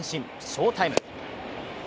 翔タイム。